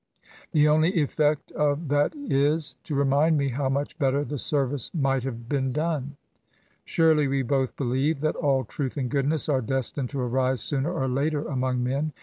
The only effect of tliat is^ to remind me how much better the service might have been done. Surely we both believe that all truth and goodness are destined to arise' sooner or later among men.